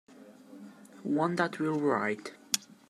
One that will write.